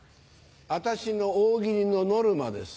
私の大喜利のノルマです。